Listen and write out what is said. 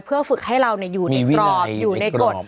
เพื่อฝึกให้เราอยู่ในกรอบอยู่ในกฎ